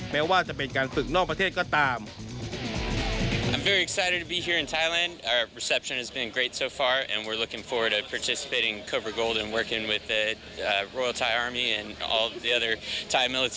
แม้ว่าจะเป็นการฝึกนอกประเทศก็ตาม